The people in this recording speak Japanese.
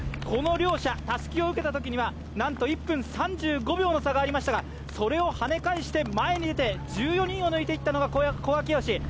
この両者、たすきを受けたときにはなんと１分３５秒の差がありましたが、それをはね返して前に出て、１４人を抜いていった古賀淳紫。